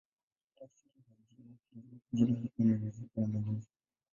Tafsiri ya jina hilo ni "Uzito wa Malezi".